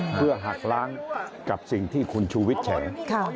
เพื่อหักล้างกับสิ่งที่คุณชูวิทย์แฉ